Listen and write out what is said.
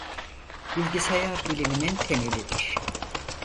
Bilgisayar biliminin temelidir.